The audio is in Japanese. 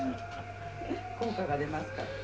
効果が出ますから。